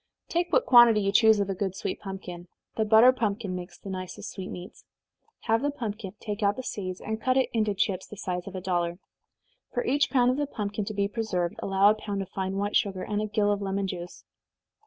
_ Take what quantity you choose of a good sweet pumpkin, (the butter pumpkin makes the nicest sweetmeats.) Halve the pumpkin, take out the seeds, and cut it into chips of the size of a dollar. For each pound of the pumpkin to be preserved, allow a pound of fine white sugar, and a gill of lemon juice.